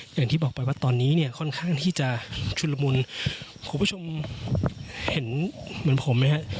อย่างที่บอกไปว่าตอนนี้เนี่ยค่อนข้างที่จะชุดละมุนคุณผู้ชมเห็นเหมือนผมไหมฮะ